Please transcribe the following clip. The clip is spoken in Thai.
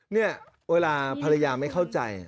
เนี่ยเวลาภรรยาไม่เข้าใจ